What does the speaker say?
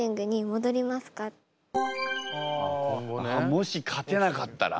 もし勝てなかったら？